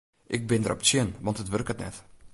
Ik bin derop tsjin want it wurket net.